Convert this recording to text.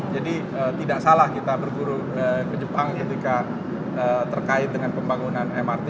jadi tidak salah kita berguru ke jepang ketika terkait dengan pembangunan mrt